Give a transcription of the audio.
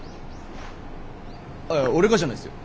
いや俺がじゃないっすよ。